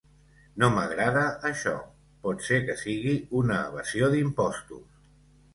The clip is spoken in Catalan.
No m'agrada això. Pot ser que sigui una evasió d'impostos.